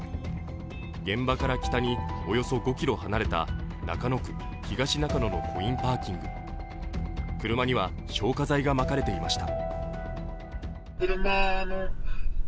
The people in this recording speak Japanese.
現場から北におよそ５ｋｍ離れた中野区東中野のコインパーキング、車には消火剤がまかれていました。